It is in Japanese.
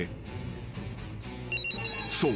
［そう。